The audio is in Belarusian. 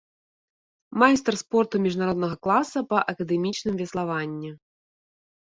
Майстар спорту міжнароднага класа па акадэмічным веславанні.